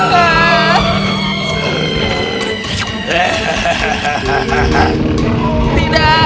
sampai jumpa di video selanjutnya